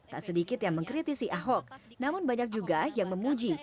tak sedikit yang mengkritisi ahok namun banyak juga yang memuji